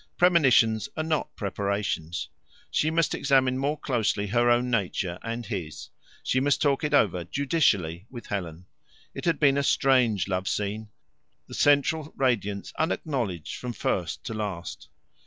Premonitions are not preparation. She must examine more closely her own nature and his; she must talk it over judicially with Helen. It had been a strange love scene the central radiance unacknowledged from first to last.